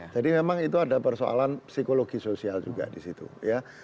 jadi memang itu ada persoalan psikologi sosial juga di situ ya